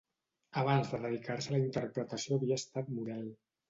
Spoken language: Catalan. Abans de dedicar-se a la interpretació havia estat model.